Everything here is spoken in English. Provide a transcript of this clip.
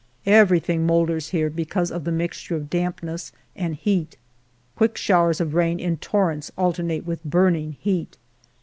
Everything moulders here because of the mixture of dampness and heat. Quick showers of rain in torrents alternate with burning heat.